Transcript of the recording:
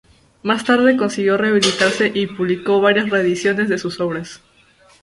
Más tarde consiguió rehabilitarse y publicó varias reediciones de sus obras.